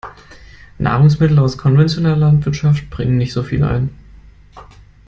Nahrungsmittel aus konventioneller Landwirtschaft bringen nicht so viel ein.